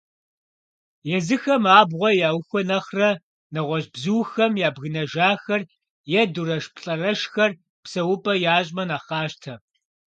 Езыхэм абгъуэ яухуэ нэхърэ, нэгъуэщӀ бзухэм ябгынэжахэр е дурэшплӀэрэшхэр псэупӀэ ящӀмэ нэхъ къащтэ.